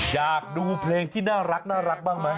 อยากดูเพลงที่น่ารักบ้างไหม